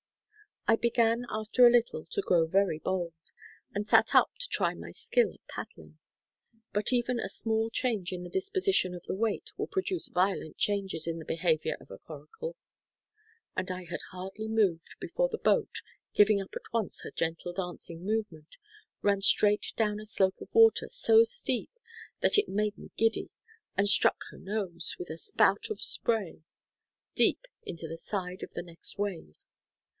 I began after a little to grow very bold, and sat up to try my skill at paddling. But even a small change in the disposition of the weight will produce violent changes in the behavior of a coracle. And I had hardly moved before the boat, giving up at once her gentle dancing movement, ran straight down a slope of water so steep that it made me giddy, and struck her nose, with a spout of spray, deep into the side of the next wave.